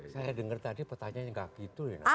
saya dengar tadi pertanyaannya nggak gitu ya